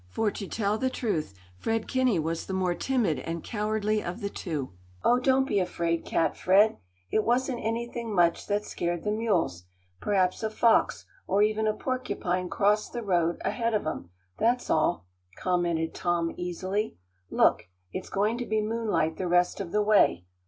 For, to tell the truth, Fred Kinney was the more timid and cowardly of the two. "Oh, don't be a fraid cat, Fred. It wasn't anything much that scared the mules; perhaps a fox or even a porcupine crossed the road ahead of 'em, that's all," commented Tom, easily. "Look, it's going to be moonlight the rest of the way.